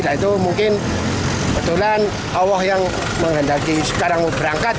nah itu mungkin betulan allah yang menghendaki sekarang mau berangkat